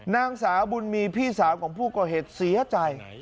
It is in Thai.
นางสาวบุญมีพี่สาวของผู้ก่อเหตุเสียใจ